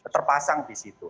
terpasang di situ